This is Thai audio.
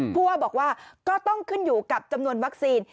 ผู้ว่าบอกว่าก็ต้องขึ้นอยู่กับจำนวนวัคซีน